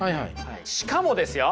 しかもですよ